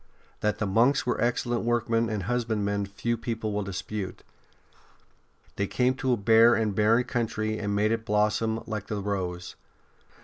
That the monks were excellent workm.en and husbandmen few people will dispute. They came to a bare and barren country and made it blossom like the rose.